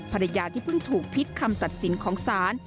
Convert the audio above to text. ภรรยาที่เพิ่งถูกพิษคำตัดสินของศาล